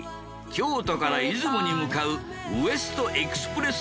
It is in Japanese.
京都から出雲に向かう。